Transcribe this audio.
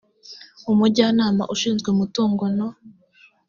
umujyanama ushinzwe umutungo no